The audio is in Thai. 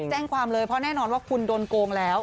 แจ้งความเลยเพราะแน่นอนว่าคุณโดนโกงแล้ว